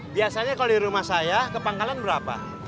biasanya kalau di rumah saya kepangkalan berapa